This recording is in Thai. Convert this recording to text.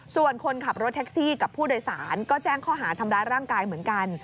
ส่วนคนขับรถแท็กซี่กับผู้โดยสารก็แจ้งข้อหาทำร้ายร่างกายเหมือนกัน